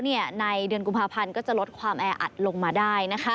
ในเดือนกุมภาพันธ์ก็จะลดความแออัดลงมาได้